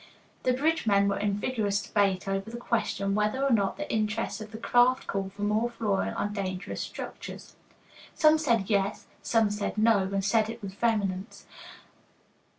The bridge men were in vigorous debate over the question whether or not the interests of the craft call for more flooring on dangerous structures. Some said "yes," some "no," and said it with vehemence.